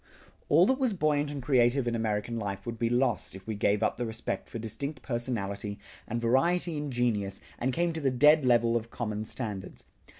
All that was buoyant and creative in American life would be lost if we gave up the respect for distinct personality, and variety in genius, and came to the dead level of common standards.